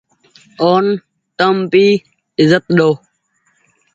اون تم ڀي ايزت ۮئو۔